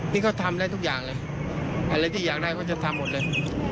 นี่เขาทำได้ทุกอย่างเลยอะไรที่อยากได้เขาจะทำหมดเลย